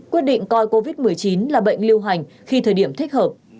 quyết định coi covid một mươi chín là bệnh lưu hành khi thời điểm thích hợp